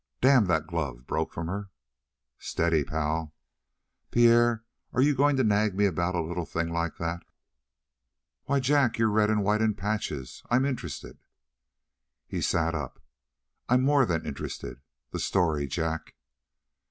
"Damn the glove!" broke from her. "Steady, pal!" "Pierre, are you going to nag me about a little thing like that?" "Why, Jack, you're red and white in patches. I'm interested." He sat up. "I'm more than interested. The story, Jack."